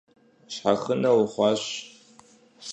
Щхьэхынэ ухъуащ.